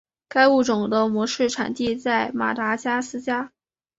该物种的模式产地在马达加斯加。